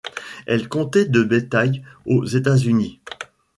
Elle comptait de bétail aux États-Unis.